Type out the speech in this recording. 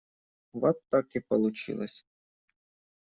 Вот так и получилось.